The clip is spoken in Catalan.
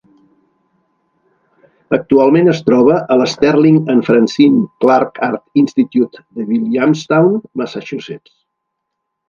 Actualment es troba a l'Sterling and Francine Clark Art Institute de Williamstown, Massachusetts.